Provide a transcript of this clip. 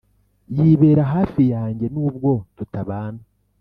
yibera hafi yanjye nubwo tutabana.